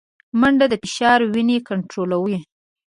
منډه د فشار وینې کنټرولوي